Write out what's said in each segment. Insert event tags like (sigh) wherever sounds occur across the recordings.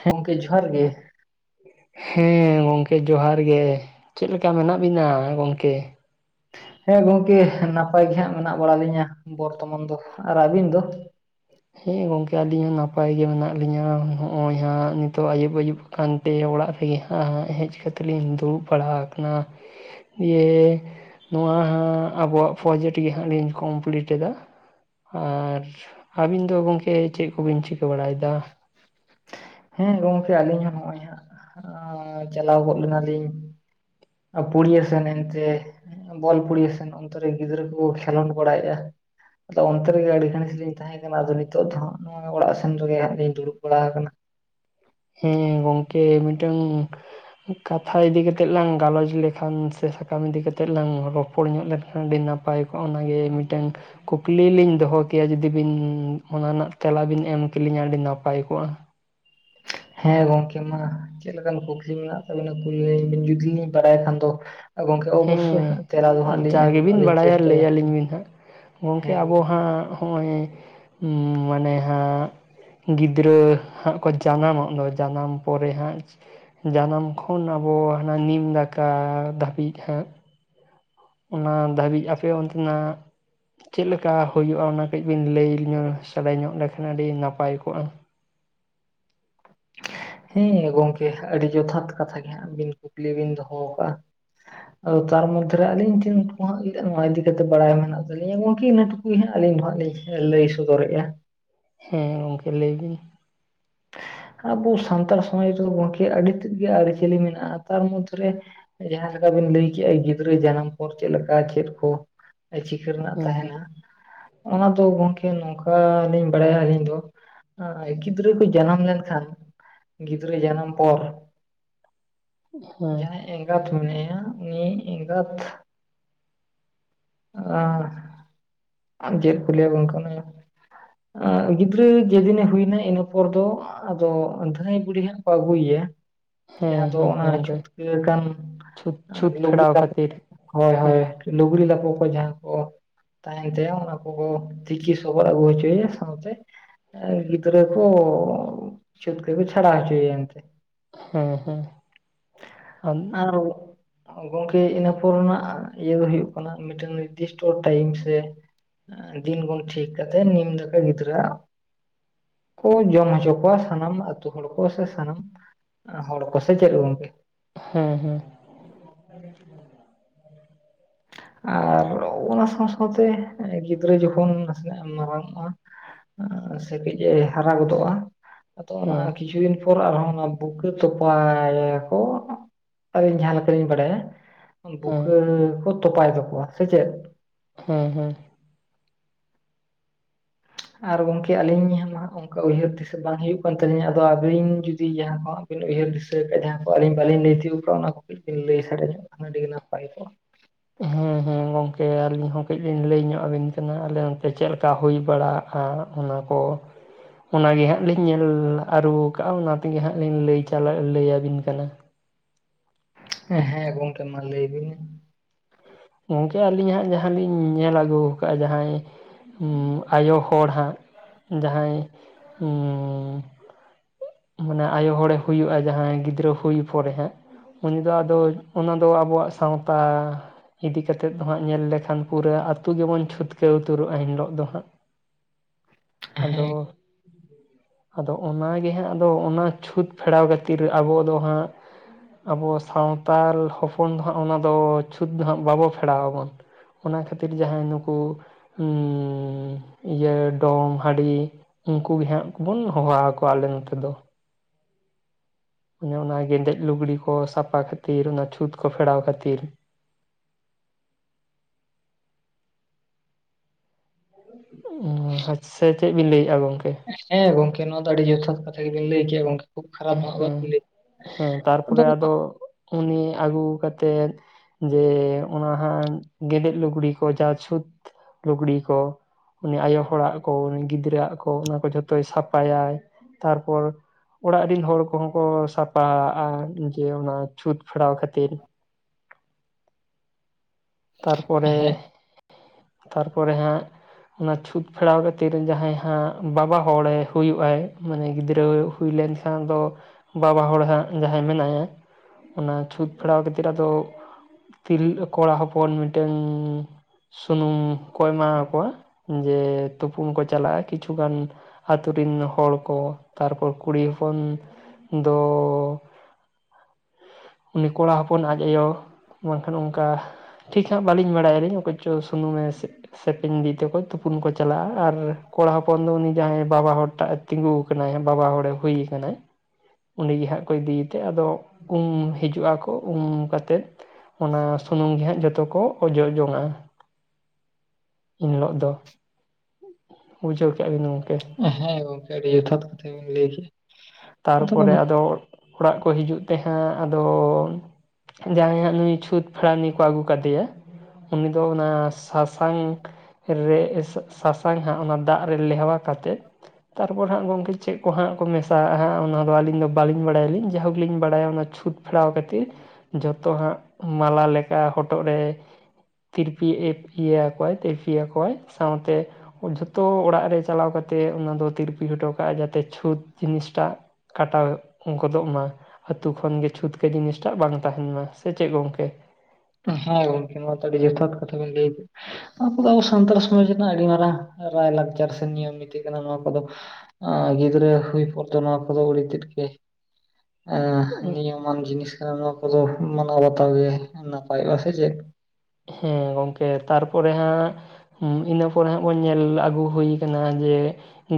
ᱦᱮᱸ ᱜᱚᱢᱠᱮ ᱡᱚᱦᱟᱨ ᱜᱮ᱾ ᱦᱮᱸ ᱜᱚᱢᱠᱮ ᱡᱚᱦᱟᱨ ᱜᱮ᱾ ᱪᱮᱫ ᱞᱮᱠᱟ ᱢᱮᱱᱟᱜ ᱵᱤᱱᱟ ᱜᱚᱢᱠᱮ? ᱦᱮᱸ ᱜᱚᱝᱠᱮ ᱱᱟᱯᱟᱭ ᱜᱮᱦᱟᱸᱜ ᱢᱮᱱᱟᱜ ᱵᱟᱲᱟ ᱞᱤᱧᱟ ᱵᱚᱨᱛᱚᱢᱟᱱ ᱫᱚ᱾ ᱟᱨ ᱟᱹᱵᱤᱱ ᱫᱚ? ᱦᱮᱸ ᱜᱚᱝᱠᱮ ᱟᱹᱞᱤᱧ ᱦᱚᱸ ᱱᱟᱯᱟᱭ ᱜᱮ ᱢᱮᱱᱟᱜ ᱞᱤᱧᱟᱹ ᱱᱚᱜᱼᱚᱭ ᱦᱟᱸᱜ ᱱᱤᱛᱚᱜ ᱟᱹᱭᱩᱵ ᱟᱹᱭᱩᱵ ᱜᱚᱢᱠᱮ ᱚᱲᱟᱜ ᱥᱮᱫ ᱜᱮ ᱦᱟᱸᱜ ᱦᱮᱡ ᱠᱟᱛᱮᱫ ᱞᱤᱧ ᱫᱩᱲᱩᱵ ᱵᱟᱲᱟ ᱦᱟᱠᱟᱱᱟ᱾ ᱤᱭᱮ ᱱᱚᱣᱟᱟᱸ ᱟᱵᱚᱣᱟᱜ ᱯᱨᱚᱡᱮᱠᱴ ᱜᱮ ᱦᱟᱸᱜ ᱞᱤᱧ ᱠᱚᱢᱯᱞᱤᱴ ᱟᱠᱫᱟ ᱟᱨ ᱟᱹᱵᱤᱱ ᱫᱚ ᱜᱚᱢᱠᱮ ᱪᱮᱫ ᱠᱚᱵᱤᱱ ᱪᱤᱠᱟᱹ ᱵᱟᱲᱟᱭᱫᱟ? ᱦᱮᱸ ᱜᱚᱝᱠᱮ ᱟᱹᱞᱤᱧ ᱦᱚᱸ ᱱᱚᱜᱼᱚᱭ ᱦᱟᱸᱜ ᱟ ᱪᱟᱞᱟᱣ ᱜᱚᱫ ᱞᱮᱱᱟᱞᱤᱧ ᱟ ᱯᱩᱲᱤᱭᱟᱹ ᱥᱮᱱ ᱮᱱᱛᱮ ᱵᱚᱞ ᱯᱩᱲᱤ ᱥᱮᱱ ᱚᱱᱛᱮ ᱨᱮ ᱜᱤᱫᱽᱨᱟᱹ ᱠᱚ ᱠᱷᱮᱞᱳᱰ ᱵᱟᱲᱟᱭᱮᱜᱼᱟ ᱟᱫᱚ ᱚᱱᱛᱮ ᱨᱮ ᱜᱮ ᱟᱹᱰᱤ ᱜᱷᱟᱹᱲᱤᱜ ᱞᱤᱧ ᱛᱟᱦᱮᱸ ᱠᱟᱱᱟ ᱟᱫᱚ ᱱᱤᱛᱚᱜ ᱛᱚ ᱦᱟᱸᱜ ᱚᱸ ᱚᱲᱟᱜ ᱥᱮᱱ ᱨᱮᱜᱮ ᱦᱟᱸᱜ ᱞᱤᱧ ᱫᱩᱲᱩᱵ ᱵᱟᱲᱟ ᱟᱠᱟᱱᱟ ᱾ ᱦᱮᱸ ᱜᱚᱝᱠᱮ ᱢᱤᱫᱴᱟᱝ ᱠᱟᱛᱷᱟ ᱤᱫᱤ ᱠᱟᱛᱮᱫ ᱞᱟᱝ ᱜᱟᱞᱚᱪ ᱞᱮᱠᱷᱟᱱ ᱥᱮ ᱥᱟᱠᱟᱢ ᱤᱫᱤ ᱠᱟ ᱠᱟᱛᱮ ᱞᱟᱝ ᱨᱚ (unintelligible) ᱯᱳᱲ ᱧᱚᱜ ᱞᱮᱱᱠᱷᱟᱱ ᱫᱤ ᱱᱟᱯᱟᱭ ᱠᱚᱜᱼᱟ ᱚᱱᱟᱜᱮ ᱢᱤᱫᱴᱮᱝ ᱠᱩᱠᱞᱤ ᱞᱤᱧ ᱫᱚᱦᱚ ᱠᱮᱭᱟ ᱡᱩᱫᱤ ᱵᱤᱱ ᱚᱱᱟ ᱨᱮᱱᱟᱜ ᱛᱮᱞᱟ ᱵᱤᱱ ᱮᱢ ᱠᱮᱞᱤᱧᱟ ᱟᱹᱰᱤ ᱱᱟᱯᱟᱭ ᱠᱚᱜᱼᱟ ᱾ ᱦᱮᱸ ᱜᱚᱝᱠᱮ ᱢᱟ ᱪᱮᱜ ᱞᱮᱠᱟᱱ ᱠᱩᱠᱠᱷᱨᱤ ᱢᱮᱱᱟᱜ ᱛᱟᱹᱵᱤᱱᱟ ᱠᱩᱞᱤ ᱞᱤᱧ ᱵᱤᱱ ᱡᱩᱫᱤ ᱞᱤᱧ ᱵᱟᱰᱟᱭ ᱠᱷᱟᱱ ᱫᱚ ᱾ ᱜᱚᱝᱠᱮ ᱚᱵᱚᱥᱥᱳᱭ ᱦᱮᱸ ᱦᱟᱸᱜ ᱛᱮᱞᱟ ᱫᱚ ᱦᱟᱸᱜ ᱞᱤᱧ ᱡᱟ ᱮᱢ ᱨᱮᱱᱟᱜ ᱜᱮᱵᱤᱱ ᱞᱤᱧ ᱵᱟᱲᱟᱭᱟ ᱪᱮᱥᱴᱟᱭᱟ ᱞᱟᱹᱭ ᱾ ᱟᱹᱞᱤᱧ ᱵᱤᱱ ᱦᱟᱸᱜ ᱜᱚᱝᱠᱮ ᱟᱵᱚ ᱦᱟᱸᱜ ᱦᱚᱜᱼᱚᱭ ᱢᱟᱱᱮ ᱦᱟᱸᱜ ᱜᱤᱫᱽᱨᱟᱹ ᱦᱟᱸᱜ ᱠᱚ ᱡᱟᱱᱟᱢᱟᱜ ᱩᱱ ᱫᱚ ᱡᱟᱱᱟᱢ ᱯᱚᱨᱮ ᱦᱟᱸᱜ ᱡᱟᱱᱟᱢ ᱠᱷᱚᱱ ᱟᱵᱚ ᱦᱟᱸᱱᱟ ᱱᱤᱢ ᱫᱟᱠᱟ ᱫᱷᱟᱹᱵᱤᱡ ᱦᱟᱸᱜ ᱚᱱᱟ ᱫᱷᱟᱹᱵᱤᱡ ᱟᱯᱮ ᱚᱱᱛᱮᱱᱟᱜ ᱪᱮᱜ ᱞᱮᱠᱟ ᱦᱳᱭᱳᱜᱼᱟ ᱚᱱᱟ ᱠᱟᱹᱡ ᱵᱤᱱ ᱞᱟᱹᱭ ᱞᱤᱱᱟ ᱥᱮᱵᱮᱭ ᱧᱚᱜ ᱞᱮᱠᱷᱟᱱ ᱟᱹᱰᱤ ᱱᱟᱯᱟᱭ ᱠᱚᱜᱼᱟ ᱾ ᱦᱮᱸ ᱜᱚᱝᱠᱮ ᱟᱹᱰᱤ ᱡᱚᱛᱷᱟᱛ ᱠᱟᱛᱷᱟ ᱜᱮ ᱦᱟᱸᱜ ᱵᱤᱱ ᱠᱩᱠᱞᱤ ᱵᱤᱱ ᱫᱚᱦᱚ ᱠᱟᱜᱼᱟ ᱟᱫᱚ ᱛᱟᱨ ᱢᱚᱫᱽᱫᱷᱮᱨᱮ ᱟᱹᱞᱤᱧ ᱴᱷᱮᱱ ᱯᱷᱳᱱᱟ ᱱᱚᱣᱟ ᱤᱫᱤᱠᱟᱛᱮ ᱵᱟᱲᱟᱭ ᱢᱮᱱᱟᱜ ᱛᱟᱞᱤᱧᱟ ᱜᱚᱝᱠᱮ ᱩᱭᱦᱟᱸᱜ ᱟᱹᱞᱤᱧ ᱫᱚ ᱦᱟᱸᱜ ᱞᱤᱧ ᱞᱟᱹᱭ ᱥᱚᱫᱚᱨᱮᱜᱼᱟ ᱾ ᱦᱮᱸ ᱜᱚᱝᱠᱮ ᱞᱟᱹᱭ ᱵᱤᱱ ᱟᱵᱚ ᱥᱟᱱᱛᱟᱲ ᱥᱚᱢᱟᱡᱽ ᱨᱮᱫᱚ ᱜᱚᱝᱠᱮ ᱟᱹᱰᱤ ᱛᱮᱫ ᱜᱮ ᱟᱹᱨᱤᱪᱟᱹᱞᱤ ᱢᱮᱱᱟᱜᱼᱟ ᱛᱟᱨ ᱢᱚᱫᱽᱫᱷᱮᱨᱮ ᱡᱟᱦᱟᱸ ᱞᱮᱠᱟ ᱵᱤᱱ ᱞᱟᱹᱭ ᱠᱮᱜᱼᱟ ᱜᱤᱫᱽᱨᱟᱹ ᱡᱟᱱᱟᱢ ᱯᱚᱨ ᱪᱮᱜ ᱞᱮᱠᱟ ᱪᱮᱫ ᱠᱚ? ᱮ ᱪᱤᱠᱟᱹ ᱨᱮᱱᱟᱜ ᱦᱮᱸ ᱛᱟᱦᱮᱱᱟ? ᱚᱱᱟ ᱫᱚ ᱜᱚᱝᱠᱮ ᱱᱚᱝᱠᱟ ᱞᱤᱧ ᱵᱟᱰᱟᱭᱟ ᱟᱹᱞᱤᱧ ᱫᱚ ᱜᱤᱫᱽᱨᱟᱹ ᱠᱚ ᱡᱟᱱᱟᱢ ᱞᱮᱱᱠᱷᱟᱱ ᱜᱤᱫᱽᱨᱟᱹ ᱡᱟᱱᱟᱢ ᱯᱚᱨ ᱦᱮᱸ ᱡᱟᱦᱟᱭ ᱮᱸᱜᱟᱛ ᱢᱮᱱᱟᱭᱟ ᱩᱱᱤ ᱮᱸᱜᱟᱛ ᱟᱸ ᱪᱮᱫ ᱠᱚ ᱞᱟᱹᱭᱟ ᱜᱚᱝᱢᱠᱮ ᱚᱱᱟ ᱜᱤᱫᱽᱨᱟᱹ ᱡᱮᱫᱤᱱᱮ ᱦᱩᱭᱱᱟ ᱤᱱᱟᱹ ᱯᱚᱨ ᱫᱚ ᱟᱫᱚ ᱫᱷᱟᱹᱭ ᱵᱩᱰᱷᱤ ᱦᱟᱸᱜ ᱠᱚ ᱟᱹᱜᱩᱭ ᱭᱟ ᱾ ᱦᱮᱸ ᱡᱟᱦᱟᱸ ᱦᱮᱸ ᱫᱚ ᱦᱮᱸ ᱚᱱᱟ ᱜᱚᱝᱠᱮ ᱪᱷᱩᱴᱠᱟᱹᱣ ᱟᱠᱟᱱ ᱪᱷᱩᱸᱛ ᱪᱷᱩᱸᱛ ᱞᱩᱜᱽᱲᱤ (inaudible) ᱯᱷᱮᱲᱟᱣ ᱠᱷᱟᱹᱛᱤᱨ (unintelligible) ᱦᱳᱭ ᱦᱳᱭ ᱦᱮᱸ ᱞᱩᱜᱽᱲᱤ ᱞᱟᱯᱚ ᱠᱚ ᱡᱟᱦᱟᱸ ᱠᱚ ᱛᱟᱦᱮᱱ ᱛᱟᱭᱚᱢ ᱚᱱᱟ ᱠᱚ ᱠᱚ ᱛᱤᱠᱤ ᱥᱚᱵᱚᱫ ᱟᱹᱜᱩ ᱦᱚᱪᱚᱭᱟ ᱥᱟᱶᱛᱮ ᱜᱤᱫᱽᱨᱟᱹ ᱚ ᱪᱷᱩᱛ ᱠᱚ ᱠᱚ ᱪᱷᱟᱰᱟᱣ ᱦᱚᱪᱚᱭᱟ ᱮᱱᱛᱮ ᱦᱮᱸ ᱦᱮᱸ ᱟᱢ ᱟᱨᱚ (unintelligible) ᱜᱚᱝᱠᱮ ᱤᱱᱟᱹ ᱯᱚᱨ ᱱᱟᱜ ᱤᱭᱟᱹ ᱫᱚ ᱦᱩᱭᱩᱜ ᱠᱟᱱᱟ ᱢᱤᱫᱴᱮᱱ ᱱᱤᱨᱫᱤᱥᱴᱚ ᱴᱟᱭᱤᱢ ᱥᱮ ᱫᱤᱱ ᱵᱚᱱ ᱴᱷᱤᱠ ᱠᱟᱛᱮᱜ ᱱᱤᱢ ᱫᱟᱠᱟ ᱜᱤᱫᱽᱨᱟᱹ ᱟᱜ ᱠᱚ ᱡᱚᱢ ᱦᱚᱪᱚ ᱠᱚᱣᱟ ᱥᱟᱱᱟᱢ ᱟᱹᱛᱩ ᱦᱚᱲ ᱠᱚ ᱥᱮ ᱥᱟᱱᱟᱢ ᱦᱚᱲ ᱠᱚ ᱥᱮ ᱪᱮᱫ ᱜᱚᱝᱠᱮ? ᱦᱩᱸ ᱦᱩᱸ (unintelligible) ᱟᱨ ᱚᱱᱟ ᱥᱟᱶ ᱥᱟᱶᱛᱮ ᱜᱤᱫᱽᱨᱟᱹ ᱡᱚᱠᱷᱚᱱ ᱱᱟᱥᱮᱱᱟᱜ ᱮ ᱢᱟᱨᱟᱝ ᱚᱜᱼᱟ ᱥᱮ ᱠᱟᱹᱡᱼᱮ ᱦᱟᱨᱟ ᱜᱚᱫᱚᱜᱼᱟ ᱟᱫᱚ ᱚᱱᱟ ᱦᱮᱸ ᱠᱤᱪᱷᱩ ᱫᱤᱱ ᱯᱚᱨ ᱟᱨᱦᱚᱸ ᱚᱱᱟ ᱵᱩᱠᱟᱹ ᱛᱚᱯᱟᱭᱟ ᱠᱚ ᱟᱹᱞᱤᱧ ᱡᱟᱦᱟᱸ ᱞᱮᱠᱟᱞᱤᱧ ᱵᱟᱰᱟᱭᱟ ᱦᱮᱸ ᱵᱩᱠᱟᱹ ᱠᱚ ᱛᱚᱯᱟᱭ ᱛᱟᱠᱚᱣᱟ ᱥᱮ ᱪᱮᱫ? ᱦᱩᱸ ᱦᱩᱸ ᱟᱨ ᱜᱚᱝᱠᱮ ᱟᱹᱞᱤᱧ ᱢᱟ ᱚᱝᱠᱟ ᱟᱨ ᱜᱚᱝᱠᱮ ᱟᱹᱞᱤᱧ ᱢᱟ ᱩᱭᱦᱟᱹᱨ ᱫᱤᱥᱮ ᱵᱟᱝ ᱦᱩᱭᱩᱜ ᱠᱟᱱ ᱛᱟᱹᱞᱤᱧᱟ ᱟᱫᱚ ᱟᱵᱤᱱ ᱡᱩᱫᱤ ᱡᱟᱦᱟᱸ ᱦᱚ ᱵᱤᱱ ᱩᱭᱦᱟᱹᱨ ᱫᱤᱥᱟᱹ ᱟᱠᱟᱜᱼᱟ ᱡᱟᱦᱟᱸ ᱠᱚ ᱟᱹᱞᱤᱧ ᱵᱟᱞᱤᱧ ᱞᱟᱹᱭ ᱛᱤᱭᱚᱜ ᱠᱟᱜᱼᱟ ᱚᱱᱟ ᱠᱚ ᱠᱟᱹᱡ ᱵᱤᱱ ᱞᱟᱹᱭ ᱞᱮᱠᱷᱟᱱ ᱟᱞᱤᱧ (inaudible) ᱟᱹᱰᱤ ᱱᱟᱯᱟᱭ ᱠᱚᱜᱼᱟ ᱾ ᱦᱮᱸ ᱦᱮᱸ ᱜᱚᱝᱠᱮ ᱟᱹᱞᱤᱧ ᱦᱚᱸ ᱠᱟᱹᱡ ᱞᱤᱧ ᱞᱟᱹᱭ ᱧᱚᱜ ᱟᱵᱤᱱ ᱠᱟᱱᱟ ᱟᱞᱮ ᱚᱱᱛᱮ ᱪᱮᱜᱞᱮᱠᱟ ᱦᱳᱭ ᱵᱟᱲᱟᱜ ᱦᱟ ᱚᱱᱟ ᱠᱚ ᱾ ᱚᱱᱟᱜᱮ ᱦᱟᱸᱜ ᱞᱤᱧ ᱧᱮᱞ ᱟᱹᱨᱩ ᱠᱟᱜᱼᱟ ᱚᱱᱟ ᱛᱮᱜᱮ ᱦᱟᱸᱜ ᱞᱤᱧ ᱞᱟᱹᱭ ᱞᱟᱹᱭ ᱟᱵᱤᱱ ᱠᱟᱱᱟ ᱾ ᱦᱮᱸ ᱦᱮᱸ ᱜᱚᱝᱠᱮ ᱢᱟᱞ ᱞᱟᱹᱭ ᱵᱤᱱ ᱾ ᱜᱚᱝᱠᱮ ᱟᱹᱞᱤᱧ ᱦᱟᱸᱜ ᱡᱟᱦᱟᱸ ᱞᱤᱧ ᱧᱮᱞ ᱟᱹᱜᱩ ᱠᱟᱜᱼᱟ ᱡᱟᱦᱟᱸᱭ ᱟᱭᱳ ᱦᱚᱲ ᱦᱟᱜ ᱡᱟᱦᱟᱸᱭ ᱢᱟᱱᱮ ᱟᱭᱳ ᱦᱚᱲᱮ ᱦᱩᱭᱩᱜᱼᱟ᱾ ᱡᱟᱦᱟᱸᱭ ᱜᱤᱫᱽᱨᱟᱹ ᱦᱩᱭ ᱯᱚᱨᱮ ᱦᱟᱸᱜ ᱩᱱᱤ ᱫᱚ ᱟᱫᱚ ᱚᱱᱟ ᱫᱚ ᱟᱵᱚᱣᱟᱜ ᱥᱟᱶᱛᱟ ᱤᱫᱤ ᱠᱟᱛᱮᱫ ᱫᱚ ᱦᱟᱸᱜ ᱧᱮᱞ ᱞᱮᱠᱷᱟᱱ ᱯᱩᱨᱟᱹ ᱟᱹᱛᱩ ᱜᱮᱵᱚᱱ ᱪᱷᱩᱛᱠᱟᱹᱣ ᱩᱛᱟᱹᱨᱚᱜᱼᱟ ᱮᱱ ᱦᱤᱞᱳᱜ ᱫᱚ ᱦᱟᱸᱜ᱾ (inaudible) (unintelligible) ᱟᱫᱚ ᱦᱮᱸ ᱟᱫᱚ ᱚᱱᱟᱜᱮ ᱦᱟᱸᱜ ᱟᱫᱚ ᱚᱱᱟ ᱪᱷᱩᱸᱛ ᱯᱷᱮᱲᱟᱣ ᱠᱷᱟᱹᱛᱤᱨ ᱟᱵᱚ ᱫᱚ ᱦᱟᱸᱜ ᱟᱵᱚ ᱥᱟᱱᱛᱟᱞ ᱦᱚᱯᱚᱱ ᱫᱚᱦᱟᱸᱜ ᱚᱱᱟ ᱫᱚ ᱪᱷᱩᱸᱛ ᱫᱚ ᱦᱟᱸᱜ ᱵᱟᱵᱚ ᱯᱷᱮᱲᱟᱣ ᱟᱵᱚᱱ᱾ ᱚᱱᱟ ᱠᱷᱟᱹᱛᱤᱨ ᱡᱟᱦᱟᱸᱭ ᱱᱩᱠᱩ ᱦᱩᱸ ᱤᱭᱟᱹ ᱰᱚᱢ ᱦᱟᱺᱰᱤ ᱩᱱᱠᱩᱜᱮ ᱦᱟᱸᱜᱵᱚᱱ ᱦᱚᱦᱚ ᱟᱠᱚᱣᱟ ᱟᱞᱮ ᱱᱚᱛᱮ ᱫᱚ ᱾ ᱚᱱᱮ ᱚᱱᱟ ᱜᱮᱸᱫᱮᱡ ᱞᱩᱜᱽᱲᱤ ᱠᱚ ᱥᱟᱯᱷᱟ ᱠᱷᱟᱹᱛᱤᱨ ᱚᱱᱟ ᱪᱷᱩᱸᱛ ᱠᱚ ᱯᱷᱮᱲᱟᱣ ᱠᱷᱟᱹᱛᱤᱨ (unintelligible) ᱟᱪᱪᱦᱟ ᱪᱮᱫ ᱵᱤᱱ ᱞᱟᱹᱭᱮᱫᱼᱟ ᱜᱚᱝᱠᱮ? ᱦᱮᱸ ᱜᱚᱝᱠᱮ ᱱᱚᱣᱟ ᱫᱚ ᱟᱹᱰᱤ ᱡᱚᱛᱷᱟᱛ ᱠᱟᱛᱷᱟ ᱜᱮᱵᱤᱱ ᱞᱟᱹᱭ ᱠᱮᱭᱟ ᱜᱚᱝᱠᱮ᱾ ᱠᱷᱩᱵ ᱠᱷᱟᱨᱟᱯ ᱦᱚᱸ ᱵᱚ ᱦᱮᱸ ᱞᱟᱹᱭ, ᱦᱮᱸ ᱟᱫᱚ ᱛᱟᱨᱯᱚᱨᱮ ᱩᱱᱤ ᱟᱹᱜᱩ ᱠᱟᱛᱮᱜ ᱡᱮ ᱚᱱᱟ ᱦᱟᱸᱜ ᱜᱮᱸᱫᱮᱡ ᱞᱩᱜᱽᱲᱤ ᱠᱚ ᱡᱟ ᱪᱷᱩᱸᱛ ᱞᱩᱜᱽᱲᱤ ᱠᱚ ᱩᱱᱤ ᱟᱭᱳ ᱦᱚᱲᱟᱜ ᱠᱚ ᱩᱱᱤ ᱜᱤᱫᱽᱨᱟᱹ ᱟᱜ ᱠᱚ ᱚᱱᱟ ᱠᱚ ᱡᱷᱚᱛᱚᱭ ᱥᱟᱯᱷᱟᱭᱟᱭ᱾ ᱛᱟᱨᱯᱚᱨ ᱚᱲᱟᱜ ᱨᱤᱱ ᱦᱚᱲ ᱠᱚᱦᱚᱸ ᱠᱚ ᱥᱟᱯᱟᱜᱼᱟ᱾ ᱡᱮ ᱚᱱᱟ ᱪᱷᱩᱛ ᱯᱷᱮᱲᱟᱣ ᱠᱷᱟᱹᱛᱤᱨ ᱛᱟᱨᱯᱚᱨᱮ ᱦᱮᱸ ᱛᱟᱨᱯᱚᱨᱮ ᱦᱟᱸᱜ ᱚᱱᱟ ᱪᱷᱩᱸᱛ ᱯᱷᱮᱲᱟᱣ ᱠᱷᱟᱹᱛᱤᱨ ᱡᱟᱦᱟᱸᱭ ᱦᱟᱸᱜ ᱵᱟᱵᱟ ᱦᱚᱲᱮ ᱦᱩᱭᱩᱜ ᱟᱭ᱾ ᱢᱟᱱᱮ ᱜᱤᱫᱽᱨᱟᱹ ᱦᱩᱭ ᱞᱮᱱᱠᱷᱟᱱ ᱫᱚ ᱵᱟᱵᱟ ᱦᱚᱲ ᱦᱟᱜ ᱡᱟᱦᱟᱸᱭ ᱢᱮᱱᱟᱭᱟ᱾ ᱚᱱᱟ ᱪᱷᱩᱸᱛ ᱯᱷᱮᱲᱟᱣ ᱠᱷᱟᱹᱛᱤᱨ ᱟᱫᱚ ᱛᱤᱞ ᱠᱚᱲᱟ ᱦᱚᱯᱚᱱ ᱢᱤᱫᱴᱮᱱ ᱥᱩᱱᱩᱢ ᱠᱚᱭ ᱮᱢᱟ ᱠᱚᱣᱟ ᱡᱮ ᱛᱩᱯᱩᱱ ᱠᱚ ᱪᱟᱞᱟᱜ-ᱟ᱾ ᱠᱤᱪᱷᱩᱜᱟᱱ ᱟᱹᱛᱩ ᱨᱮᱱ ᱦᱚᱲ ᱠᱚ ᱛᱟᱨᱯᱚᱨ ᱠᱩᱲᱤ ᱦᱚᱯᱚᱱ ᱫᱚᱻ ᱩᱱᱤ ᱠᱚᱲᱟ ᱦᱚᱯᱚᱱ ᱟᱡ ᱟᱭᱳ ᱵᱟᱝᱠᱷᱟᱱ ᱚᱱᱠᱟ ᱴᱷᱤᱠ ᱦᱟᱸᱜ ᱵᱟᱹᱞᱤᱧ ᱵᱟᱲᱟᱭ ᱟᱹᱞᱤᱧ ᱚᱠᱚᱭ ᱪᱚ ᱥᱩᱱᱩᱢ ᱢᱮ ᱥᱮᱯᱮᱧ ᱤᱫᱤ ᱛᱮᱠᱚ ᱛᱩᱯᱩᱱ ᱠᱚ ᱪᱟᱞᱟᱜᱼᱟ᱾ ᱟᱨ ᱠᱚᱲᱟ ᱦᱚᱯᱚᱱ ᱫᱚ ᱩᱱᱤ ᱡᱟᱦᱟᱸᱭ ᱵᱟᱵᱟ ᱦᱚᱲ ᱴᱟᱜ ᱛᱤᱸᱜᱩ ᱟᱠᱟᱱᱟᱭ᱾ ᱵᱟᱵᱟ ᱦᱚᱲᱮ ᱦᱩᱭ ᱠᱟᱱᱟᱭ᱾ ᱩᱱᱤᱜᱮ ᱦᱟᱸᱜ ᱠᱚ ᱤᱫᱤᱭᱮᱛᱮ ᱟᱫᱚ ᱩᱢ ᱦᱤᱡᱩᱜ ᱟᱠᱚ ᱩᱢ ᱠᱟᱛᱮᱫ᱾ ᱚᱱᱟ ᱥᱩᱱᱩᱢ ᱜᱮ ᱦᱟᱸᱜ ᱡᱚᱛᱚ ᱠᱚ ᱚᱡᱚᱜ ᱡᱚᱝᱼᱟ᱾ ᱤᱱ ᱦᱤᱞᱚᱜ ᱫᱚ ᱵᱩᱡᱷᱟᱹᱣ ᱠᱮᱭᱟ ᱵᱤᱱ ᱜᱚᱢᱠᱮ᱾ ᱦᱮᱸ ᱜᱚᱝᱠᱮ, ᱟ. ᱰᱤ ᱡᱚᱛᱷᱟᱛ ᱠᱟᱛᱷᱟ ᱵᱤᱱ ᱞᱟᱹᱭ ᱠᱮᱫᱟ᱾ ᱛᱟᱨᱯᱚᱨᱮ ᱟᱫᱚ ᱚᱲᱟᱜ ᱠᱚ ᱦᱤᱡᱩᱜ ᱛᱮᱦᱟᱸᱜ ᱟᱫᱚ ᱡᱟᱦᱟᱸᱭ ᱦᱟᱜ ᱱᱩᱭ ᱪᱷᱩᱸᱛ ᱯᱷᱮᱲᱟᱣ ᱩᱱᱤ ᱠᱚ ᱟᱹᱜᱩ ᱠᱟᱫᱮᱭᱟ᱾ ᱩᱱᱤ ᱫᱚ ᱚᱱᱟ ᱥᱟᱥᱟᱝ ᱨᱮ ᱥᱟᱥᱟᱝ ᱦᱟᱸᱜ ᱚᱱᱟ ᱫᱟᱜ ᱨᱮ ᱞᱮᱣᱦᱟ ᱠᱟᱛᱮ ᱛᱟᱨᱯᱚᱨᱮ ᱯᱚᱨ ᱦᱟᱸᱜ ᱜᱚᱢᱠᱮ ᱪᱮᱫ ᱠᱚ ᱦᱟᱸᱜ ᱠᱚ ᱢᱮᱥᱟᱣᱟᱜ ᱟᱦᱟᱜ ᱚᱱᱟ ᱫᱚ ᱟᱹᱞᱤᱧ ᱫᱚ ᱵᱟᱞᱤᱧ ᱵᱟᱲᱟᱭᱟᱞᱤᱧ᱾ ᱡᱟᱦᱳᱠ ᱞᱤᱧ ᱵᱟᱲᱟᱭᱟ ᱚᱱᱟ ᱪᱷᱩᱸᱛ ᱯᱷᱮᱲᱟᱣ ᱠᱷᱟᱹᱛᱤᱨ᱾ ᱡᱚᱛᱚ ᱦᱟᱸᱜ ᱢᱟᱞᱟ ᱞᱮᱠᱟ ᱦᱚᱴᱚᱜ ᱨᱮ ᱛᱤᱨᱯᱤ ᱤᱨᱪᱤ ᱟᱠᱚᱣᱟᱭ ᱛᱤᱨᱯᱤ ᱟᱠᱚᱣᱟᱭ ᱥᱟᱶᱛᱮ ᱡᱷᱚᱛᱚ ᱚᱲᱟᱜ ᱨᱮ ᱪᱟᱞᱟᱣ ᱠᱟᱛᱮᱫ ᱚᱱᱟ ᱫᱚ ᱛᱤᱨᱯᱤ ᱦᱚᱴᱚ ᱠᱟᱜᱼᱟᱭ᱾ ᱡᱟᱛᱮ ᱪᱷᱩᱸᱛ ᱡᱤᱱᱤᱥᱴᱟᱜ ᱠᱟᱴᱟᱣ ᱜᱚᱫᱚᱜ ᱢᱟ᱾ ᱟᱹᱛᱩ ᱠᱷᱚᱱᱜᱮ ᱪᱷᱩᱸᱛᱠᱟᱹ ᱡᱤᱱᱤᱥᱴᱟᱜ ᱵᱟᱝ ᱛᱟᱦᱮᱱᱟ᱾ ᱢᱟᱻ ᱥᱮ ᱪᱮᱫ ᱜᱚᱝᱠᱮ? ᱦᱳᱭ ᱜᱚᱝᱠᱮ ᱱᱚᱣᱟ ᱫᱚ ᱟᱹᱰᱤ ᱡᱚᱛᱷᱟᱛ ᱠᱟᱛᱷᱟ ᱵᱤᱱ ᱞᱟᱹᱭ ᱠᱮᱜ ᱟᱵᱚ ᱫᱚ ᱟᱵᱚ ᱥᱟᱱᱛᱟᱲ ᱥᱚᱢᱟᱡᱽ ᱨᱮᱱᱟᱜ ᱟᱹᱰᱤ ᱢᱟᱨᱟᱝ ᱨᱟᱭᱼᱞᱟᱠᱪᱟᱨ ᱥᱮ ᱱᱤᱭᱚᱢ ᱱᱤᱛᱤᱜ ᱠᱟᱱᱟ ᱱᱚᱣᱟ ᱠᱚᱫᱚ᱾ ᱟᱻ ᱜᱤᱫᱽᱨᱟᱹ ᱦᱩᱭ (unintelligible) ᱱᱚᱣᱟ ᱠᱚᱫᱚ ᱟᱹᱰᱤ ᱛᱮᱫ ᱜᱮ ᱟᱻ ᱱᱤᱭᱚᱢᱟᱱ ᱡᱤᱱᱤᱥ ᱠᱟᱱᱟ᱾ ᱱᱚᱣᱟ ᱠᱚᱫᱚ ᱢᱟᱱᱟᱣ ᱵᱟᱛᱟᱣ ᱜᱮ ᱱᱟᱯᱟᱭᱚᱜ ᱟᱥᱮ ᱪᱮᱫ? ᱦᱮᱸ ᱜᱚᱝᱠᱮ ᱛᱟᱨᱯᱚᱨᱮ ᱦᱟᱸᱜ ᱦᱩᱸ ᱤᱱᱟᱹ ᱯᱚᱨᱮ ᱦᱟᱸᱜ ᱵᱚᱱ ᱧᱮᱞ ᱟᱹᱜᱩ ᱦᱩᱭ ᱟᱠᱟᱱᱟ᱾ ᱡᱮ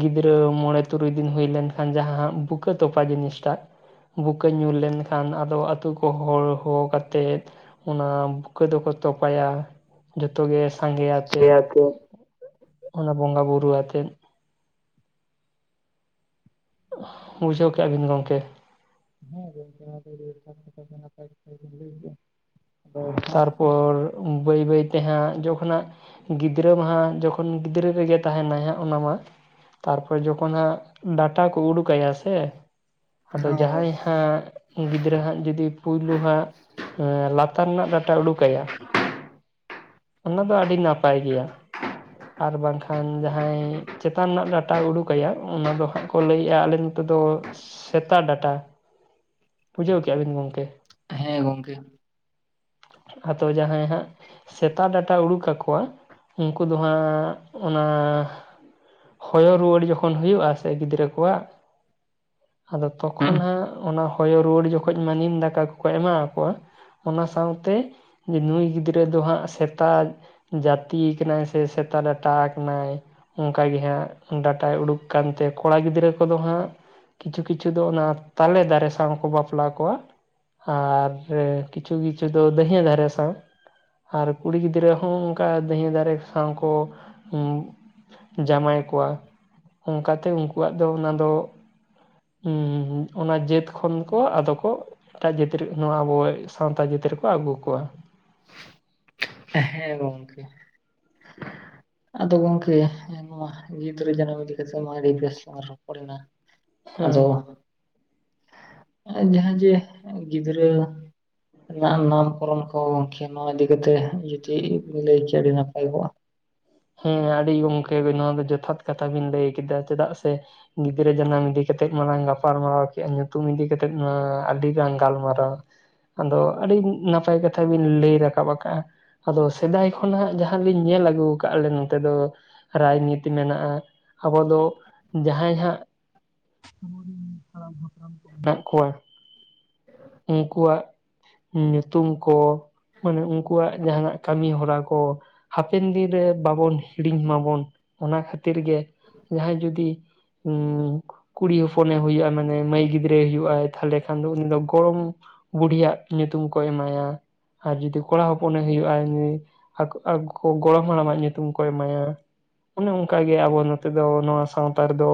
ᱜᱤᱫᱽᱨᱟᱹ ᱢᱚᱬᱮ ᱛᱩᱨᱩᱭ ᱫᱤᱱ ᱦᱩᱭ ᱞᱮᱱᱠᱷᱟᱱ ᱡᱟᱦᱟᱸ ᱵᱩᱠᱟᱹ ᱛᱚᱯᱟ ᱡᱤᱱᱤᱥ ᱴᱟᱜ ᱵᱩᱠᱟᱹ ᱧᱩᱨ ᱞᱮᱱᱠᱷᱟᱱ ᱟᱫᱚ ᱟᱹᱛᱩ ᱠᱚ ᱦᱚᱲ ᱦᱚᱦᱚ ᱠᱟᱛᱮᱫ ᱚᱱᱟ ᱵᱩᱠᱟᱹ ᱫᱚᱠᱚ ᱛᱚᱯᱟᱭᱟ ᱡᱷᱚᱛᱚ ᱜᱮ ᱥᱟᱸᱜᱮ ᱟᱛᱮᱜ ᱦᱮᱸ ᱜᱚᱝᱠᱮ ᱚᱱᱟ ᱵᱚᱸᱜᱟ ᱵᱩᱨᱩ ᱟᱛᱮᱫ ᱵᱩᱡᱷᱟᱹᱣ ᱠᱟᱭᱟᱜ ᱵᱤᱱ ᱜᱚᱝᱠᱮ ᱦᱮᱸ ᱱᱟᱭ ᱞᱟᱹᱭ (unintelligible) ᱟ ᱛᱟᱨᱯᱚᱨ ᱵᱟᱹᱭ ᱵᱟᱹᱭ ᱛᱮ ᱦᱟᱸᱜ ᱡᱚᱠᱷᱚᱱᱟᱜ ᱜᱤᱫᱽᱨᱟᱹ ᱢᱟ ᱦᱟᱸᱜ ᱡᱚᱠᱷᱚᱱ ᱜᱤᱫᱽᱨᱟᱹ ᱨᱮᱜᱮ ᱛᱟᱦᱮᱱᱟᱭ ᱦᱟᱸᱜ ᱚᱱᱟ ᱢᱟ ᱛᱟᱨᱯᱚᱨ ᱡᱚᱠᱷᱚᱱ ᱦᱟᱸᱜ ᱰᱟᱴᱟ ᱠᱚ ᱩᱰᱩᱠᱟᱭᱟ ᱥᱮ ᱦᱮᱸ ᱟᱫᱚ ᱜᱚᱝᱠᱮ, ᱡᱟᱦᱟᱸᱭ ᱦᱟᱸᱜ ᱜᱤᱫᱽᱨᱟᱹ ᱦᱟᱸᱜ ᱡᱩᱫᱤ ᱯᱳᱭᱞᱩ ᱦᱟᱸᱜ (unintelligible) ᱞᱟᱛᱟᱨ ᱨᱮᱱᱟᱜ ᱰᱟᱴᱟ ᱩᱰᱩᱠᱟᱭᱟ ᱚᱱᱟ ᱫᱚ ᱟᱹᱰᱤ ᱱᱟᱯᱟᱭ ᱜᱮᱭᱟ ᱟᱨ ᱵᱟᱝᱠᱷᱟᱱ ᱡᱟᱦᱟᱸᱭ ᱪᱮᱛᱟᱱ ᱨᱮᱱᱟᱜ ᱰᱟᱴᱟ ᱩᱰᱩᱠᱟᱭᱟ ᱚᱱᱟ ᱫᱚ ᱦᱟᱸᱜ ᱠᱚ ᱞᱟᱹᱭᱮᱜᱼᱟ ᱟᱞᱮ ᱱᱚᱛᱮ ᱫᱚ ᱥᱮᱛᱟ ᱰᱟᱴᱟ ᱵᱩᱡᱷᱟᱹᱣ ᱠᱮᱜᱼᱟ ᱵᱤᱱ ᱜᱚᱢᱠᱮ ᱦᱮᱸ ᱜᱚᱝᱠᱮ ᱟᱫᱚ ᱡᱟᱦᱟᱸᱭ ᱦᱟᱸᱜ ᱥᱮᱛᱟ ᱰᱟᱴᱟ ᱩᱰᱩᱠ ᱟᱠᱚᱣᱟ ᱩᱱᱠᱩ ᱫᱚ ᱦᱟᱸᱜ ᱚᱱᱟ ᱦᱚᱭᱚ ᱨᱩᱣᱟᱹᱲ ᱡᱚᱠᱷᱚᱱ ᱦᱩᱭᱩᱜᱼᱟ ᱥᱮ ᱜᱤᱫᱽᱨᱟᱹ ᱠᱚᱣᱟᱜ ᱟᱫᱚ ᱦᱩᱸ ᱛᱚᱠᱷᱚᱱ ᱦᱟᱸᱜ ᱚᱱᱟ ᱦᱚᱭᱚ ᱨᱩᱣᱟᱹᱲ ᱡᱚᱠᱷᱚᱠ ᱢᱟ ᱱᱤᱢ ᱫᱟᱠᱟ ᱠᱚᱠᱚ ᱮᱢᱟ ᱟᱠᱚᱣᱟ ᱚᱱᱟ ᱥᱟᱶᱛᱮ ᱡᱮ ᱱᱩᱭ ᱜᱤᱫᱽᱨᱟᱹ ᱫᱚ ᱦᱟᱸᱜ ᱥᱮᱛᱟ ᱡᱟᱹᱛᱤ ᱠᱟᱱᱟᱭ ᱥᱮ ᱥᱮᱛᱟ ᱰᱟᱴᱟ ᱠᱟᱱᱟᱭ ᱚᱱᱠᱟ ᱜᱮ ᱦᱟᱸᱜ ᱰᱟᱴᱟᱭ ᱩᱰᱩᱠ ᱠᱟᱱ ᱛᱮ ᱠᱚᱲᱟ ᱜᱤᱫᱽᱨᱟᱹ ᱠᱚᱫᱚ ᱦᱟᱸᱜ ᱠᱤᱪᱷᱩ ᱠᱤᱪᱷᱩ ᱫᱚ ᱚᱱᱟ ᱛᱟᱞᱮ ᱫᱟᱨᱮ ᱥᱟᱶ ᱠᱚ ᱵᱟᱯᱞᱟ ᱠᱚᱣᱟ ᱟᱨ ᱨᱮ ᱠᱤᱪᱷᱩ ᱠᱤᱪᱷᱩ ᱫᱚ ᱫᱟᱭᱹᱦᱟᱹ ᱫᱟᱨᱮ ᱥᱟᱶ ᱟᱨ ᱠᱩᱲᱤ ᱜᱤᱫᱽᱨᱟᱹ ᱦᱚᱸ ᱚᱱᱠᱟ ᱫᱤᱭᱦᱟᱹ ᱫᱟᱨᱮ ᱥᱟᱶ ᱠᱚ ᱡᱟᱶᱟᱭ ᱠᱚᱣᱟ ᱚᱱᱠᱟᱛᱮ ᱩᱱᱠᱩᱣᱟᱜ ᱫᱚ ᱚᱱᱟ ᱫᱚ ᱩᱸ ᱚᱱᱟ ᱡᱟᱹᱛ ᱠᱷᱚᱱ ᱫᱚᱠᱚ ᱟᱫᱚ ᱠᱚ ᱮᱴᱟᱜ ᱡᱟᱹᱛ ᱨᱮᱱ ᱱᱚᱣᱟ ᱟᱵᱚᱭ ᱥᱟᱶᱛᱟ ᱡᱟᱹᱛ ᱨᱮᱠᱚ ᱟᱹᱜᱩ ᱠᱚᱣᱟ ᱦᱮᱸ ᱜᱚᱝᱠᱮ ᱟᱫᱚ ᱜᱚᱝᱠᱮ ᱱᱚᱣᱟ ᱜᱤᱫᱽᱨᱟᱹ ᱡᱟᱱᱟᱢ ᱤᱫᱤ ᱠᱟᱛᱮ ᱢᱟ ᱟᱹᱰᱤ ᱵᱮᱥ ᱞᱟᱝ ᱨᱚᱯᱚᱲ ᱱᱟ ᱟᱫᱚ ᱦᱮᱸ ᱡᱟᱦᱟᱸ ᱡᱮ ᱜᱤᱫᱽᱨᱟᱹ ᱱᱟᱢᱠᱚᱨᱚᱢ ᱠᱚ ᱜᱚᱢᱠᱮ ᱱᱚᱣᱟ ᱤᱫᱤ ᱠᱟᱛᱮ ᱡᱩᱫᱤ ᱵᱤ ᱞᱟᱹᱭ ᱠᱮᱭᱟ ᱟᱹᱰᱤ ᱱᱟᱯᱟᱭ ᱠᱚᱜᱼᱟ ᱦᱮᱸ ᱟᱹᱰᱤ ᱜᱚᱢᱠᱮ ᱱᱚᱣᱟ ᱫᱚ ᱡᱚᱛᱷᱟᱛ ᱠᱟᱛᱷᱟ ᱵᱤᱱ ᱞᱟᱹᱭ ᱠᱮᱫᱟ ᱪᱮᱫᱟᱜ ᱥᱮ ᱜᱤᱫᱽᱨᱟᱹ ᱡᱟᱱᱟᱢ ᱤᱫᱤ ᱠᱟᱛᱮᱫ ᱢᱟ ᱞᱟᱝ ᱜᱟᱯᱟᱞᱢᱟᱨᱟᱣ ᱠᱮᱫᱼᱟ ᱧᱩᱛᱩᱢ ᱤᱫᱤ ᱠᱟᱛᱮᱫ ᱟᱹᱰᱤ ᱜᱟᱝ ᱜᱟᱞᱢᱟᱨᱟ ᱟᱫᱚ ᱟᱹᱰᱤ ᱱᱟᱯᱟᱭ ᱠᱟᱛᱷᱟ ᱵᱤᱱ ᱞᱟᱹᱭ ᱨᱟᱠᱟᱵ ᱟᱠᱟᱜᱼᱟ ᱟᱫᱚ ᱥᱮᱫᱟᱭ ᱠᱷᱚᱱᱟᱜ ᱡᱟᱦᱟᱸ ᱞᱤᱧ ᱧᱮᱞ ᱟᱹᱜᱩ ᱟᱠᱟᱜᱼᱟ ᱟᱞᱮ ᱱᱚᱛᱮ ᱫᱚ ᱨᱟᱭᱱᱤᱛᱤ ᱢᱮᱱᱟᱜᱼᱟ ᱟᱵᱚ ᱫᱚ ᱡᱟᱦᱟᱸᱭ ᱦᱟᱸᱜ ᱟᱵᱚᱨᱮᱱ ᱦᱟᱯᱲᱟᱢ ᱠᱚ ᱢᱮᱱᱟᱜ ᱠᱚᱣᱟ ᱩᱱᱠᱩᱣᱟᱜ ᱧᱩᱛᱩᱢ ᱠᱚ ᱢᱟᱱᱮ ᱩᱱᱠᱩᱣᱟᱜ ᱡᱟᱦᱟᱱᱟᱜ ᱠᱟᱹᱢᱤ ᱦᱚᱨᱟ ᱠᱚ ᱦᱟᱯᱮᱱ ᱫᱤᱱᱨᱮ ᱵᱟᱵᱚᱱ ᱦᱤᱲᱤᱧ ᱢᱟᱵᱚᱱ ᱚᱱᱟ ᱠᱷᱟᱹᱛᱤᱨ ᱜᱮ ᱡᱟᱦᱟᱸᱭ ᱡᱩᱫᱤ ᱩᱸ ᱠᱩᱲᱤ ᱦᱚᱯᱚᱱᱮ ᱦᱩᱭᱩᱜᱼᱟ ᱢᱟᱱᱮ ᱢᱟᱹᱭ ᱜᱤᱫᱽᱨᱟᱹᱭ ᱦᱩᱭᱩᱜᱼᱟ ᱛᱟᱦᱚᱞᱮ ᱠᱷᱟᱱ ᱫᱚ ᱩᱱᱤ ᱫᱚ ᱜᱚᱲᱚᱢ ᱵᱩᱰᱤᱭᱟᱜ ᱧᱩᱛᱩᱢ ᱠᱚ ᱮᱢᱟᱭᱟ ᱟᱨ ᱡᱩᱫᱤ ᱠᱚᱲᱟ ᱦᱚᱯᱚᱱᱮ ᱦᱩᱭᱩᱜᱼᱟ ᱟᱠᱚ ᱟᱠ ᱜᱚᱲᱚᱢ ᱦᱟᱲᱟᱢᱟᱜ ᱧᱩᱛᱩᱢ ᱠᱚ ᱮᱢᱟᱭᱟ ᱚᱱᱮ ᱚᱱᱠᱟ ᱜᱮ ᱟᱵᱚ ᱱᱚᱛᱮ ᱫᱚ ᱱᱚᱣᱟ ᱥᱟᱶᱛᱟ ᱨᱮᱫᱚ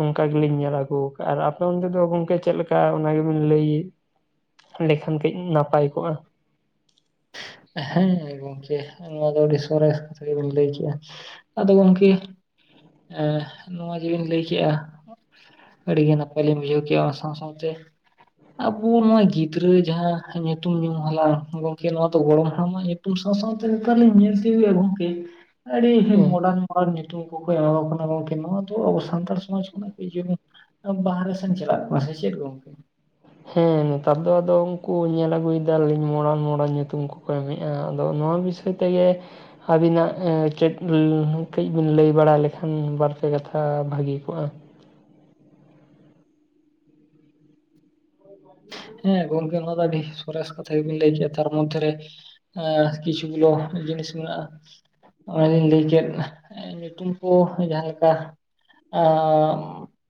ᱚᱱᱠᱟ ᱜᱮᱞᱤᱧ ᱧᱮᱞ ᱟᱹᱜᱩ ᱠᱟᱜ-ᱟ ᱟᱨ ᱟᱯᱮ ᱚᱱᱛᱮ ᱫᱚ ᱜᱚᱝᱠᱮ ᱪᱮᱫᱞᱮᱠᱟ ᱚᱱᱟ ᱜᱮᱵᱤᱱ ᱞᱟᱹᱭ ᱞᱮᱠᱷᱟᱱ ᱠᱟᱹᱡ ᱱᱟᱯᱟᱭ ᱠᱚᱜᱼᱟ ᱦᱮᱸ ᱜᱚᱝᱠᱮ ᱱᱚᱣᱟ ᱫᱚ ᱟᱹᱰᱤ ᱥᱚᱨᱮᱥ ᱠᱟᱛᱷᱟ ᱜᱮᱵᱤᱱ ᱞᱟᱹᱭ ᱠᱮᱜ-ᱟ ᱟᱫᱚ ᱜᱚᱝᱠᱮ ᱮ ᱱᱚᱣᱟ ᱡᱮᱵᱤᱱ ᱞᱟᱹᱭ ᱠᱮᱜᱼᱟ ᱟᱹᱰᱤ ᱜᱮ ᱱᱟᱯᱟᱭ ᱞᱤᱧ ᱵᱩᱡᱷᱟᱹᱣ ᱠᱮᱜ-ᱟ ᱚᱱᱟ ᱥᱟᱶ ᱥᱟᱶᱛᱮ ᱟᱵᱚ ᱱᱚᱭ ᱜᱤᱫᱽᱨᱟᱹ ᱡᱟᱦᱟᱸ ᱧᱩᱛᱩᱢ ᱧᱩ ᱦᱟᱞᱟᱝ ᱜᱚᱝᱠᱮ ᱱᱚᱣᱟ ᱜᱚᱲᱚᱢ ᱦᱟᱲᱟᱢᱟᱜ ᱧᱩᱛᱩᱢ ᱥᱟᱶ ᱥᱟᱶᱛᱮ ᱱᱮᱛᱟᱨ ᱞᱤᱧ ᱧᱮᱞ (unintelligible) ᱜᱚᱝᱠᱮ ᱟᱹᱰᱤ ᱦᱮᱸ ᱢᱚᱰᱟᱱ ᱧᱩᱛᱩᱢ ᱠᱚᱠᱚ ᱮᱢᱟᱠᱚ ᱠᱟᱱᱟ ᱜᱚᱝᱠᱮ ᱱᱚᱣᱟ ᱫᱚ ᱟᱵᱚ ᱥᱟᱱᱛᱟᱲ ᱥᱚᱢᱟᱡᱽ ᱠᱷᱚᱱᱟᱜ (unintelligible) ᱵᱟᱨᱦᱮ ᱥᱮᱱ ᱪᱮᱞᱟᱜ ᱠᱚᱣᱟ ᱥᱮ ᱪᱮᱫ ᱜᱚᱝᱠᱮ? ᱦᱮᱸ ᱱᱮᱛᱟᱨ ᱫᱚ ᱟᱫᱚ ᱩᱱᱠᱩ ᱧᱮᱞ ᱟᱹᱜᱩᱭᱫᱟᱞᱤᱧ ᱢᱚᱸᱰᱟᱞ, ᱢᱚᱸᱰᱟᱞ ᱧᱩᱛᱩᱢ ᱠᱚ (unintelligible) ᱟᱫᱚ ᱱᱚᱣᱟ ᱵᱤᱥᱚᱭ ᱛᱮᱜᱮ ᱟᱹᱵᱤᱱᱟᱜ ᱮ ᱪᱮᱫ ᱠᱟᱹᱡ ᱵᱤᱱ ᱞᱟᱹᱭ ᱵᱟᱲᱟᱭ ᱞᱮᱠᱷᱟᱱ ᱵᱟᱨᱯᱮ ᱠᱟᱛᱷᱟ ᱵᱷᱟᱹᱜᱮ ᱠᱚᱜᱼᱟ ᱾ ᱦᱮᱸ ᱜᱚᱝᱠᱮ ᱱᱚᱣᱟ ᱫᱚ ᱟᱹᱰᱤ ᱥᱚᱨᱮᱥ ᱠᱟᱛᱷᱟ ᱜᱮᱵᱤᱱ ᱞᱟᱹᱭ ᱦᱚᱪᱚᱭᱮᱜ ᱛᱟᱨ ᱢᱚᱫᱽᱫᱷᱮ ᱨᱮ ᱮ ᱠᱤᱪᱷᱩ ᱜᱩᱞᱳ ᱡᱤᱱᱤᱥ ᱢᱮᱱᱟᱜᱼᱟ ᱚᱱᱟᱞᱤᱧ ᱞᱟᱹᱭ ᱠᱮᱫ ᱧᱩᱛᱩᱢ ᱠᱚ ᱡᱟᱦᱟᱸ ᱞᱮᱠᱟ ᱟᱜ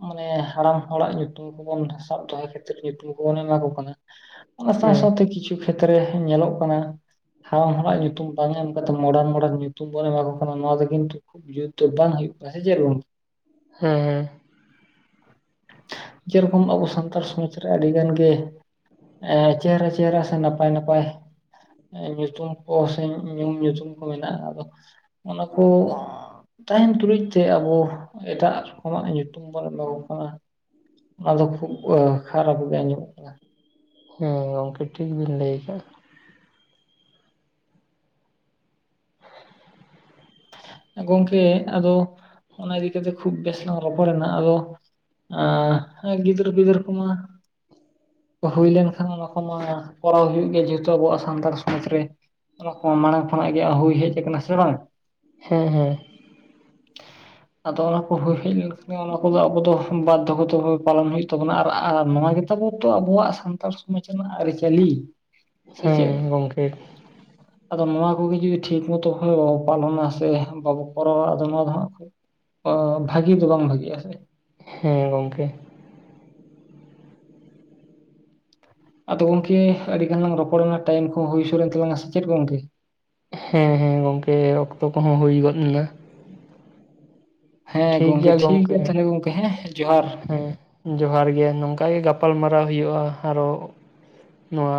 ᱢᱟᱱᱮ ᱦᱟᱲᱟᱢ ᱦᱚᱲᱟᱜ ᱧᱩᱛᱩᱢ ᱠᱚᱵᱩᱱ ᱥᱟᱵ ᱫᱚᱦᱚᱭ ᱠᱷᱟᱹᱛᱤᱨ ᱧᱩᱛᱩᱢ ᱠᱚᱵᱚᱱ ᱮ ᱮᱢᱟ ᱠᱚ ᱠᱟᱱᱟ ᱚᱱᱟ ᱥᱟᱶ ᱦᱮᱸ ᱥᱟᱶᱛᱮ ᱠᱤᱪᱷᱩ ᱠᱷᱮᱛ ᱨᱮ ᱧᱮᱞᱚᱜ ᱠᱟᱱᱟ ᱦᱟᱢ ᱦᱚᱲᱟᱜ ᱧᱩᱛᱩᱢ ᱵᱟᱝ ᱮᱢ ᱠᱟᱛᱮ ᱢᱚᱰᱟᱨᱱ ᱢᱚᱰᱟᱨᱱ ᱧᱩᱛᱩᱢ ᱵᱚᱱ ᱮᱢᱟ ᱠᱚ ᱠᱟᱱᱟ ᱱᱚᱣᱟ ᱫᱚ ᱠᱤᱱᱛᱩ ᱡᱮᱛᱩ ᱫᱚ ᱵᱟᱝ ᱦᱳᱭᱳᱜ ᱠᱟᱱᱟ ᱥᱮᱪᱮᱫ ᱜᱚᱝᱠᱮ? ᱦᱮᱸ ᱦᱮᱸ ᱡᱮᱨᱚᱠᱚᱢ ᱟᱵᱚ ᱥᱟᱱᱛᱟᱲ ᱥᱚᱢᱟᱡᱽ ᱨᱮ ᱟᱹᱰᱤ ᱜᱟᱱ ᱜᱮ ᱮ ᱪᱮᱦᱨᱟ, ᱪᱮᱦᱨᱟ ᱥᱮ ᱱᱟᱯᱟᱭ, ᱱᱟᱯᱟᱭ ᱧᱩᱛᱩᱢ ᱠᱚ ᱥᱮ ᱧᱩᱢ ᱧᱩᱛᱩᱢ ᱠᱚ ᱢᱮᱱᱟᱜᱼᱟ ᱟᱫᱚ ᱚᱱᱟ ᱠᱚ ᱛᱟᱦᱮᱱ ᱛᱩᱞᱩᱡ ᱛᱮ ᱟᱵᱚ ᱮᱴᱟᱜ ᱟᱜ ᱠᱚᱢᱟ ᱧᱩᱛᱩᱢ ᱵᱚᱱ ᱮᱢᱟ ᱠᱚ ᱠᱟᱱᱟ ᱱᱟ ᱫᱚ ᱠᱷᱩᱵ ᱠᱷᱟᱨᱟᱯ ᱜᱮ ᱧᱚᱜ ᱦᱮᱸ ᱜᱚᱝᱠᱮ ᱴᱷᱤᱠ ᱵᱤᱱ ᱞᱟᱹᱭ ᱠᱟᱜᱼᱟ ᱾ ᱜᱚᱝᱠᱮ ᱟᱫᱚ ᱚᱱᱟ ᱤᱫᱤ ᱠᱟᱛᱮ ᱠᱷᱩᱵ ᱵᱮᱥᱞᱟᱝ ᱨᱚᱯᱚᱲᱱᱟ ᱟᱫᱚ ᱮ ᱜᱤᱫᱟᱹᱨ ᱯᱤᱫᱟᱹᱨ ᱠᱚᱢᱟ ᱦᱩᱭ ᱞᱮᱱᱠᱷᱟᱱ ᱱᱚᱠᱚᱢᱟ ᱠᱚᱨᱟᱣ ᱦᱩᱭᱩᱜ ᱜᱮᱭᱟ ᱡᱮᱦᱮᱛᱩ ᱟᱵᱚᱣᱟᱜ ᱥᱟᱱᱛᱟᱲ ᱥᱚᱢᱟᱡᱽ ᱨᱮ ᱚᱱᱟ ᱠᱚ ᱢᱟᱲᱟᱝ ᱠᱷᱚᱱᱟᱜ ᱜᱮ ᱦᱩᱭ ᱦᱮᱡ ᱟᱠᱟᱱᱟ ᱥᱮ ᱵᱟᱝ? ᱦᱮᱸ ᱦᱮᱸ (inaudible) ᱟᱫᱚ ᱚᱱᱟ ᱠᱚ ᱦᱳ ᱦᱮᱡ ᱞᱮᱱᱠᱷᱟᱱ ᱚᱱᱟ ᱠᱚᱫᱚ ᱟᱵᱚ ᱫᱚ ᱵᱟᱫᱽᱫᱚᱦᱚ ᱫᱚᱦᱚ ᱯᱟᱞᱚᱱ ᱦᱳᱭᱳᱜ ᱛᱟᱵᱚᱱᱟ ᱟᱨ ᱱᱚᱣᱟ ᱜᱮ ᱛᱟᱵᱚᱛᱚ ᱟᱵᱚᱣᱟᱜ ᱥᱟᱱᱛᱟᱲ ᱥᱚᱢᱟᱡᱽ ᱨᱮᱱᱟᱜ ᱟᱹᱨᱤᱪᱟᱹᱞᱤ ᱥᱮ ᱪᱮᱜ? ᱦᱮᱸ ᱜᱚᱝᱠᱮ ᱟᱫᱚ ᱱᱚᱣᱟ ᱠᱚᱜᱮ ᱡᱩᱫᱤ ᱴᱷᱤᱠ ᱢᱚᱛᱚ ᱦᱚ ᱵᱟᱵᱚ ᱯᱟᱞᱚᱱᱟ ᱾ ᱥᱮ ᱵᱟᱵᱚ ᱠᱚᱨᱟᱣᱟ ᱟᱫᱚ ᱱᱚᱣᱟ ᱫᱚ ᱦᱟᱜ (unintelligible) ᱵᱷᱟᱜᱮ ᱫᱚ ᱵᱟᱝ ᱵᱷᱟᱜᱮᱜᱼᱟ ᱥᱮ ᱦᱮᱸ ᱜᱚᱝᱠᱮ ᱟᱫᱚ ᱜᱚᱝᱠᱮ ᱟᱹᱰᱤ ᱜᱟᱱ ᱞᱟᱝ ᱨᱚᱯᱚᱲᱱᱟ ᱴᱟᱭᱤᱢ ᱠᱚ ᱦᱩᱭ ᱥᱩᱨᱮᱱ ᱛᱟᱞᱟᱝᱟ ᱥᱮ ᱪᱮᱫ ᱜᱚᱝᱠᱮ? ᱦᱮᱸ ᱦᱮᱸ ᱜᱚᱝᱠᱮ ᱚᱠᱛᱚ ᱠᱚᱦᱚᱸ ᱦᱳᱭ ᱜᱚᱫ ᱱᱟ ᱦᱮᱸ ᱜᱚᱝᱠᱮ ᱴᱷᱤᱠ ᱜᱮᱭᱟ ᱛᱟᱦᱞᱮ ᱜᱚᱝᱠᱮ ᱦᱮᱸ ᱡᱚᱦᱟᱨ ᱦᱮᱸ ᱡᱚᱦᱟᱨ ᱜᱮ ᱱᱚᱝᱠᱟ ᱜᱮ ᱜᱟᱯᱟᱞᱢᱟᱨᱟᱣ ᱦᱳᱭᱳᱜᱼᱟ ᱟᱨᱚ ᱱᱚᱣᱟ